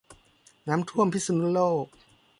น้ำท่วมที่พิษณุโลก